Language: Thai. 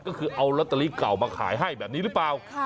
ก็คือเอาลอตเตอรี่เก่ามาขายให้แบบนี้หรือเปล่า